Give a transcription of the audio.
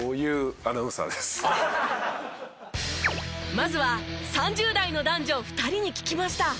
まずは３０代の男女２人に聞きました。